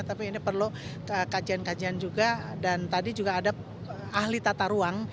tapi ini perlu kajian kajian juga dan tadi juga ada ahli tata ruang